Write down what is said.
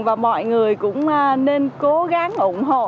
và mọi người cũng nên cố gắng ủng hộ